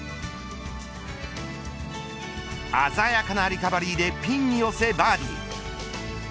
鮮やかなリカバリーでピンに寄せ、バーディー。